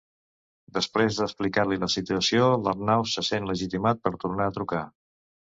Després d'explicar-li la situació l'Arnau se sent legitimat per tornar a trucar.